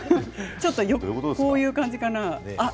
ちょっとこういうことかな。